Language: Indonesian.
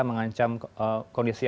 mengancam kondisi tersebut